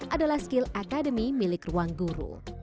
adalah skill academy milik ruangguru